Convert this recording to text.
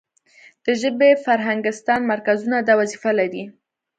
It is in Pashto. د ژبې فرهنګستان مرکزونه دا وظیفه لري.